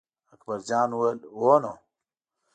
اکبر جان وویل: هو نو.